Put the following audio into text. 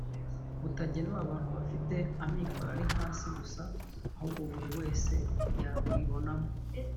butagenewe abantu bafite amikoro ari hasi gusa ahubwo buri wese yabwibonamo